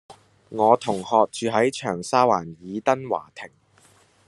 我同學住喺長沙灣爾登華庭